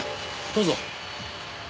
どうぞ。